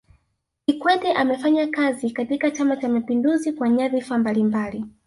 kikwete amefanya kazi katika chama cha mapinduzi kwa nyadhifa mbalimbali